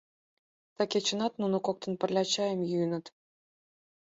Ты кечынат нуно коктын пырля чайым йӱыныт.